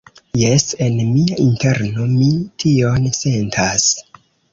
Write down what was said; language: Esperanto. Jes, en mia interno mi tion sentas.